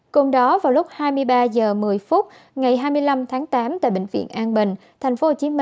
cùng đó vào lúc hai mươi ba h một mươi phút ngày hai mươi năm tháng tám tại bệnh viện an bình tp hcm